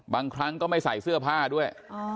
บางครั้งก็ไม่ใส่เสื้อผ้าด้วย